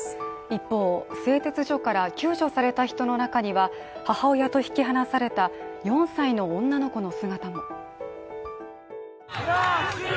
一方、製鉄所から救助された人の中には、母親と引き離された４歳の女の子の姿も。